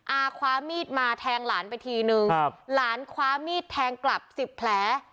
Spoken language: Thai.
อาคว้ามีดมาแทงหลานไปทีนึงครับหลานคว้ามีดแทงกลับสิบแผล